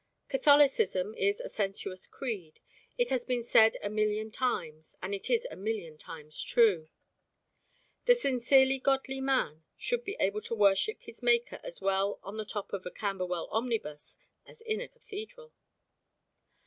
Catholicism is a sensuous creed. It has been said a million times, and it is a million times true. The sincerely godly man should be able to worship his Maker as well on the top of a Camberwell omnibus as in a cathedral.